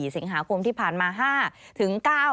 สิงหาคมที่ผ่านมา๕ถึง๙